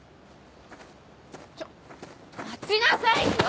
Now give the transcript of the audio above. ちょっ待ちなさいよ！